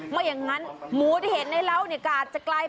ไม่อย่างนั้นหมูที่เห็นไหนเรานี่กลายเป็นอาหาร